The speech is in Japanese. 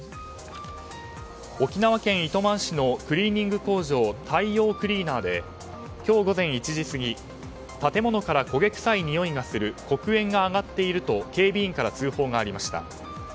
沖縄県糸満市のクリーニング工場大洋クリーナーで今日午前１時過ぎ建物から焦げ臭いにおいがする黒煙が上がっていると警備員から通報がありました。